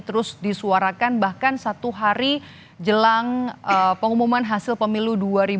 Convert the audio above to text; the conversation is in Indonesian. terus disuarakan bahkan satu hari jelang pengumuman hasil pemilu dua ribu dua puluh